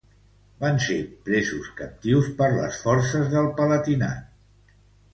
Van ser presos captius per les forces del Palatinat.